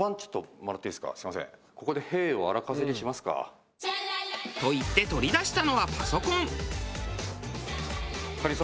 ここで「へぇ」を荒稼ぎしますか。と言って取り出したのはパソコン。